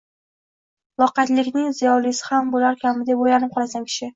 Loqaydlikning ziyolisi ham bo‘larkanmi deb o‘ylanib qolasan kishi.